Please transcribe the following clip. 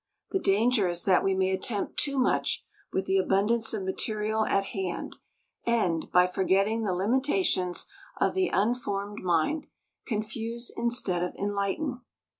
The danger is that we may attempt too much with the abundance of material at hand and, by forgetting the limitations of the unformed mind, confuse instead of enlighten.